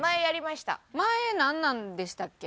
前なんなんでしたっけ？